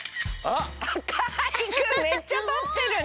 かいくんめっちゃとってるね！